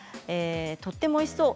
とてもおいしそう。